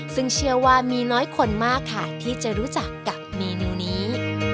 ซึ่งเชื่อว่ามีน้อยคนมากค่ะที่จะรู้จักกับเมนูนี้